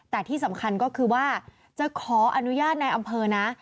แต่ที่สำคัญก็คือว่าจะขออนุญาตในอำเภอนะ